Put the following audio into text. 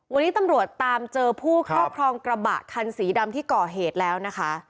วันนี้ตำรวจตามเจอผู้ครอบครองกระบะคันสีดำที่ก่อเหตุแล้วนะคะ